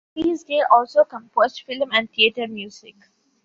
Easdale also composed film and theatre music.